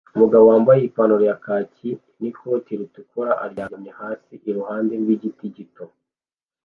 Umugabo wambaye ipantaro ya kaki n'ikoti ritukura aryamye hasi iruhande rw'igiti gito